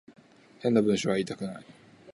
変な文章は言いたくない